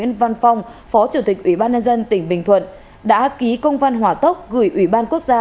nguyễn văn phong phó chủ tịch ủy ban nhân dân tỉnh bình thuận đã ký công văn hỏa tốc gửi ủy ban quốc gia